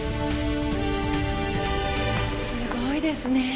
すごいですね！